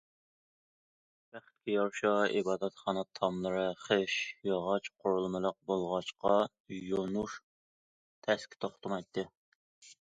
بەختكە يارىشا، ئىبادەتخانا تاملىرى خىش، ياغاچ قۇرۇلمىلىق بولغاچقا يونۇش تەسكە توختىمايتتى.